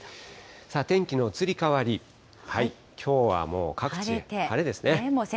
天気の移り変わり、きょうはもう各地晴れですね。